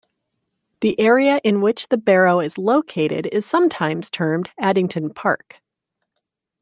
The area in which the barrow is located is sometimes termed Addington Park.